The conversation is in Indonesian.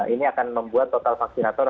ini akan membuat total vaksinator